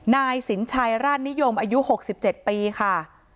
นายสินชัยราชนิยมอายุ๖๗ปีค่ะ